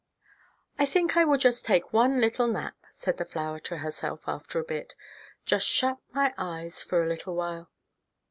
"I think I will just take one little nap," said the flower to herself, after a bit, "just shut my eyes for a little while."